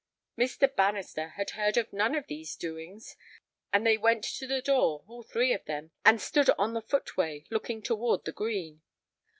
Mr. Bannister had heard of none of these doings, and they went to the door, all three of them, and stood on the footway, looking toward the Green.